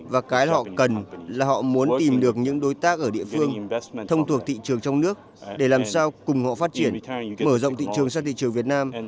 và cái họ cần là họ muốn tìm được những đối tác ở địa phương thông thuộc thị trường trong nước để làm sao cùng họ phát triển mở rộng thị trường sang thị trường việt nam